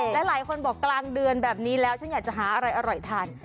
หลายคนบอกกลางเดือนแบบนี้แล้วฉันอยากจะหาอะไรอร่อยทาน